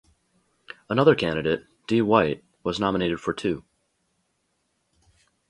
Another candidate, D Whyte, was nominated for two.